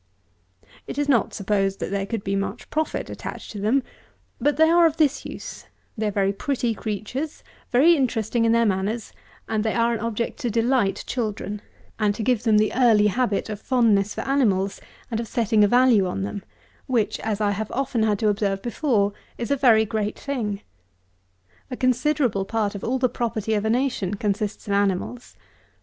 183. It is not supposed that there could be much profit attached to them; but they are of this use; they are very pretty creatures; very interesting in their manners; they are an object to delight children, and to give them the early habit of fondness for animals and of setting a value on them, which, as I have often had to observe before, is a very great thing. A considerable part of all the property of a nation consists of animals.